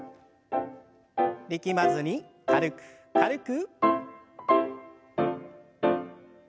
力まずに軽く軽く。